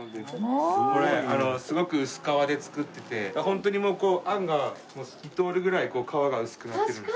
これすごく薄皮で作っててホントにあんが透き通るぐらい皮が薄くなってるんです。